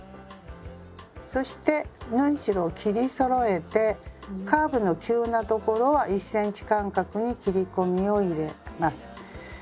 そして縫い代を切りそろえてカーブの急な所は１ｃｍ間隔に切り込みを入れます。